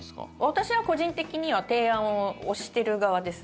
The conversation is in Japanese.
私は個人的には提案をしている側です。